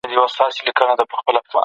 عیني معلومات د څېړنې اساس جوړوي.